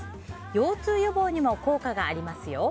腰痛予防にも効果がありますよ。